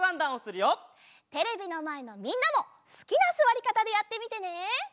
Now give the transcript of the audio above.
テレビのまえのみんなもすきなすわりかたでやってみてね！